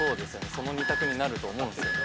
その二択になると思うんすよ。